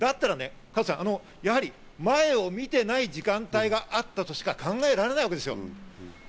だったら加藤さん、前を見てない時間帯があったとしか考えられないわけですよ。